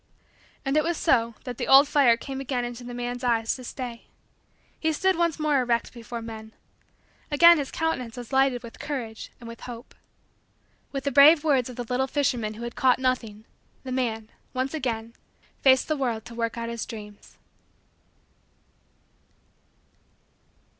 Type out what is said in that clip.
And it was so that the old fire came again into the man's eyes to stay. He stood once more erect before men. Again his countenance was lighted with courage and with hope. With the brave words of the little fisherman who had caught nothing, the man, once again, faced the world to work out his dreams.